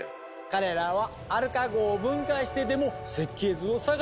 彼らはアルカ号を分解してでも設計図を捜す気らしいわ。